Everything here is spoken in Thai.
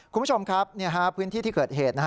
คุณผู้ชมครับพื้นที่ที่เกิดเหตุ